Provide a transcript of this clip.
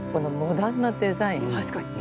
確かに。